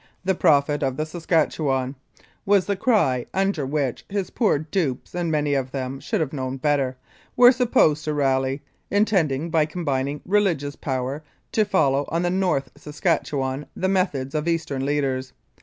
The ' Prophet of the Saskatchewan ' was the cry under which his poor dupes, and many of them should have known better, were supposed to rally, intending by combining religious power to follow on the North Sas katchewan the methods of Eastern leaders.